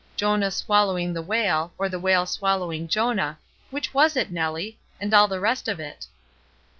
"Jonah swallowing the whale, or the whale swallowing Jonah — which was it, Nellie? — and all the rest of it."